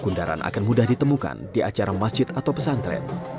kundaran akan mudah ditemukan di acara masjid atau pesantren